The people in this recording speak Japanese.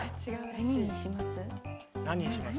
ねえ何にします？